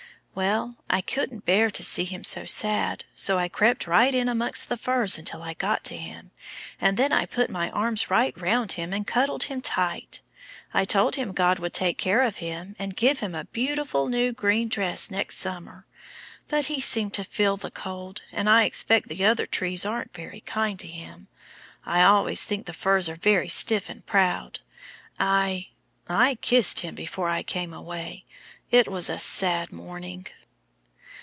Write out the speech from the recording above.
"Well, I couldn't bear to see him so sad, so I crept right in amongst the firs until I got to him, and then I put my arms right round him and cuddled him tight. I told him God would take care of him, and give him a beautiful new green dress next summer; but he seemed to feel the cold, and I expect the other trees aren't very kind to him. I always think the firs are very stiff and proud. I I kissed him before I came away. It was a sad morning."